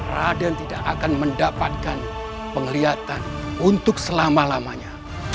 raden tidak akan mendapatkan penglihatan untuk selama lamanya